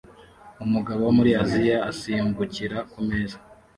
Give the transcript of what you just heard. Umugabo wo muri Aziya usimbukira kumeza